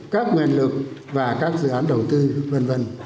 các nguồn lực và các dự án đầu tư v v